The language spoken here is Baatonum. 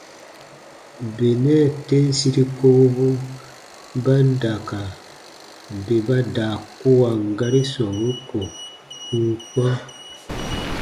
Benɛ tem siri kowobu ba n da ka bè ba daa kuwan gari sɔmburu ko n n kpã.